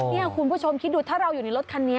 นี่คุณผู้ชมคิดดูถ้าเราอยู่ในรถคันนี้